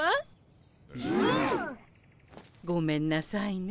うん。ごめんなさいね。